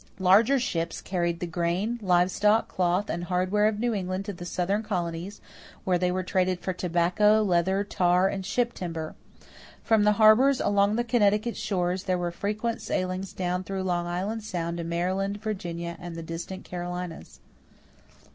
Larger ships carried the grain, live stock, cloth, and hardware of New England to the Southern colonies, where they were traded for tobacco, leather, tar, and ship timber. From the harbors along the Connecticut shores there were frequent sailings down through Long Island Sound to Maryland, Virginia, and the distant Carolinas.